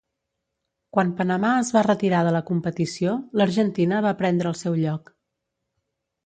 Quan Panamà es va retirar de la competició, l'Argentina va prendre el seu lloc.